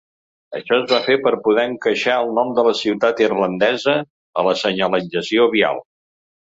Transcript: Això es va fer per poder encaixar el nom de la ciutat irlandesa a la senyalització vial.